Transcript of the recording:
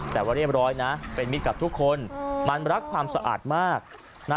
แต่ว่าเรียบร้อยนะเป็นมิตรกับทุกคนมันรักความสะอาดมากนะ